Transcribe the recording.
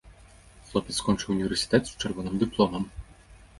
Хлопец скончыў універсітэт з чырвоным дыпломам.